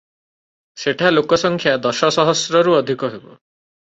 ସେଠା ଲୋକସଂଖ୍ୟା ଦଶ ସହସ୍ରରୁ ଅଧିକ ହେବ ।